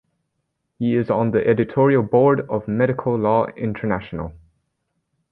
He is on the editorial board of Medical Law International.